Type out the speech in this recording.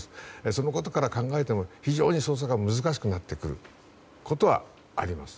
そのことから考えても非常に捜索が難しくなってくることはあります。